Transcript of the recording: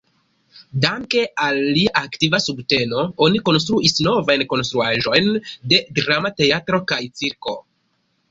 Danke al lia aktiva subteno oni konstruis novajn konstruaĵojn de drama teatro kaj cirko.